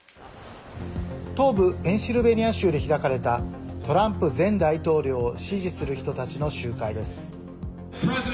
東部ペンシルベニア州で開かれたトランプ前大統領を支持する人たちの集会です。